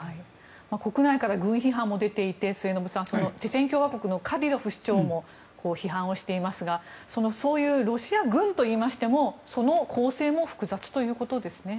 国内から軍批判も出ていて末延さん、チェチェン共和国のカディロフ首長も批判をしていますがそういうロシア軍といいましてもその構成も複雑ということですね。